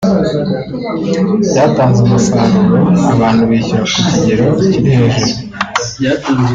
byatanze umusaruro abantu bishyura ku kigero kiri hejuru